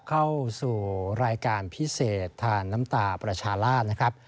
เข้าสู่รายการพิเศษทานน้ำตาประชาราชนะครับ